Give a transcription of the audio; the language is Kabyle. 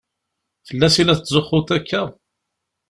Fell-as i la tetzuxxuḍ akka?